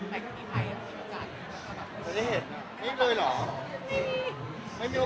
ไม่ได้เห็นไม่เคยเหรอ